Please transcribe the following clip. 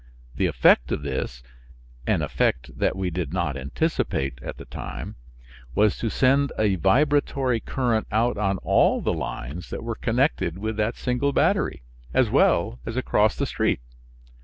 The effect of this (an effect that we did not anticipate at the time) was to send a vibratory current out on all the lines that were connected with that single battery as well as across the street.